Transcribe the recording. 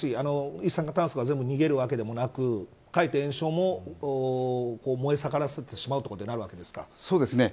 一酸化炭素が全部逃げるわけでもなくかえって延焼も燃え盛らせてしまうということになるわけですか。